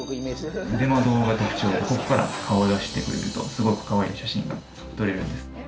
出窓が特徴でここから顔出してくれるとすごくかわいい写真が撮れるんです。